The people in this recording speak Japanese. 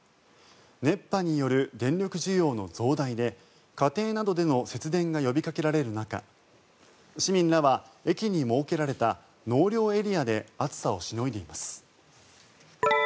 熱波による電力需要の増大で家庭などでの節電が呼びかけられる中市民らは駅に設けられた納涼エリアで暑さをしのいでいます。